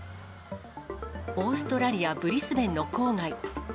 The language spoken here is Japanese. オーストラリア・ブリスベンの郊外。